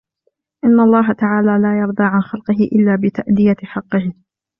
إنَّ اللَّهَ تَعَالَى لَا يَرْضَى عَنْ خَلْقِهِ إلَّا بِتَأْدِيَةِ حَقِّهِ